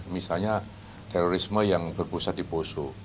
misalnya terorisme yang berpusat di poso